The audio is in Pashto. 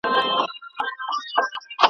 د واک ترلاسه کولو لپاره ګټه واخیسته `